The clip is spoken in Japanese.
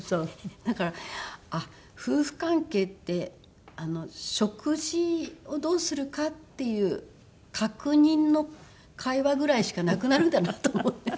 だから夫婦関係って食事をどうするかっていう確認の会話ぐらいしかなくなるんだなと思って。